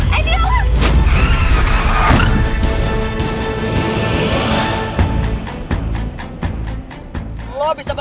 eh dia apa